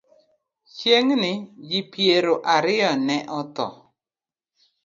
Chiegni ji piero ariyo ne otho.